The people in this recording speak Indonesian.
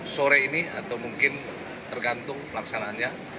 sore ini atau mungkin tergantung pelaksanaannya